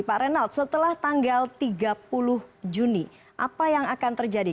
pak renald setelah tanggal tiga puluh juni apa yang akan terjadi